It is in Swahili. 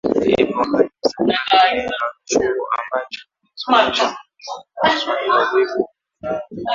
Ipo haja kwa Serikali kujenga chuo ambacho kitasomesha vijana juu ya masuala ya uvuvi